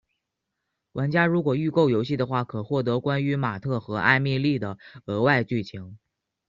玩家如果预购游戏的话可获得关于马特和艾蜜莉的额外剧情。